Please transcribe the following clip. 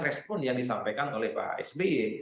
respon yang disampaikan oleh pak sby